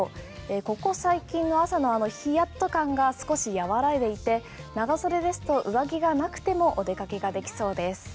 ここ最近、朝のあのヒヤッと感が少し和らいでいて長袖ですと上着がなくてもお出かけができそうです。